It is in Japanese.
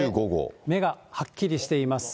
目がはっきりしています。